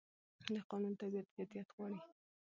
د قانون تطبیق جديت غواړي